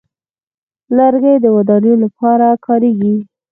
لرګی د ودانیو لپاره کارېږي.